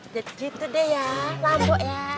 begitu deh ya rambo ya